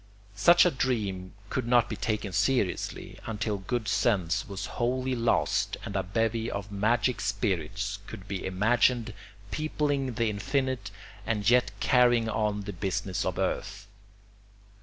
Such a dream could not be taken seriously, until good sense was wholly lost and a bevy of magic spirits could be imagined peopling the infinite and yet carrying on the business of earth.